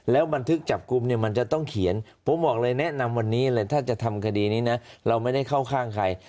แล้วบันทึกจับกลุ่มเนี่ยมันจะต้องเขียนผมบอกเลยแนะนำวันนี้เลยถ้าจะทำคดีนี้นะเราไม่ได้เข้าข้างใคร